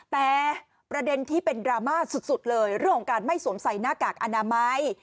แต่ประเด็นที่เป็นดราม่าสุดเลยเรื่องของการไม่สวมใส่หน้ากากอนามัย